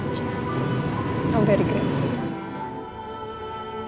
aku sangat berterima kasih